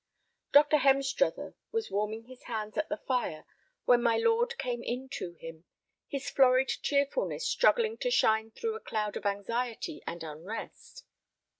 Dr. Hemstruther was warming his hands at the fire when my lord came in to him, his florid cheerfulness struggling to shine through a cloud of anxiety and unrest.